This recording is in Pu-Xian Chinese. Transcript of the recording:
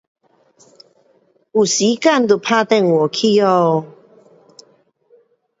有时间就打电话回家